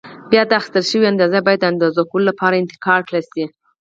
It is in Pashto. بیا دا اخیستل شوې اندازه باید د اندازه کولو لپاره انتقال کړای شي.